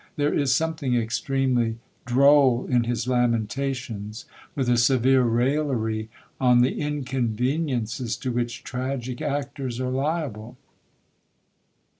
There is something extremely droll in his lamentations, with a severe raillery on the inconveniences to which tragic actors are liable.